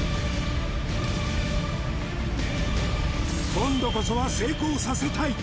今度こそは成功させたい！